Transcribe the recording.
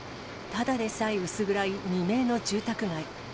ただでさえ薄暗い未明の住宅街。